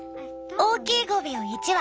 大きいゴビを１羽。